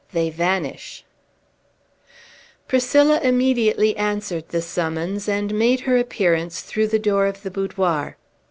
THEY VANISH Priscilla immediately answered the summons, and made her appearance through the door of the boudoir.